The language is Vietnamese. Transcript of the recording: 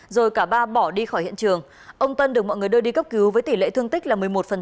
rồi cả ba bỏ đi khỏi hiện trường ông tân được mọi người đưa đi cấp cứu với tỷ lệ thương tích là một mươi một